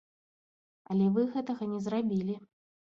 Але вы гэтага не зрабілі.